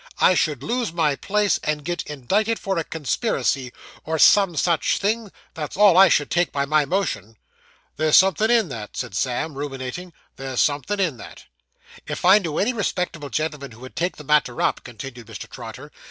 I should lose my place, and get indicted for a conspiracy, or some such thing; that's all I should take by my motion.' 'There's somethin' in that,' said Sam, ruminating; 'there's somethin' in that.' 'If I knew any respectable gentleman who would take the matter up,' continued Mr. Trotter.